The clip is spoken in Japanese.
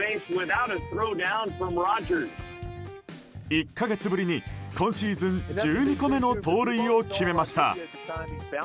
１か月ぶりに今シーズン１２個目の盗塁を決めました。